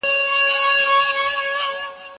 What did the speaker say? زه مخکي مېوې خوړلې وه!!